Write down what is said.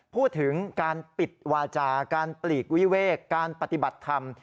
พูดถึงการปิดวาจาการปลีกวิเวกการปฏิบัติธรรม